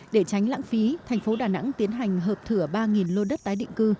để tránh lãng phí thành phố đà nẵng tiến hành hợp thửa ba lô đất tái định cư